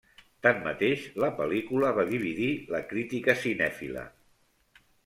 Tanmateix, la pel·lícula va dividir la crítica cinèfila.